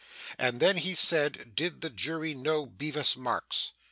And then he said, did the jury know Bevis Marks?